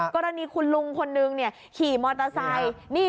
กรณีคุณลุงคนนึงขี่มอเตอร์ไซค์